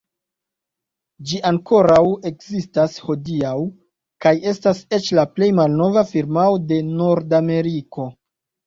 Ĝi ankoraŭ ekzistas hodiaŭ, kaj estas eĉ la plej malnova firmao de Nordameriko.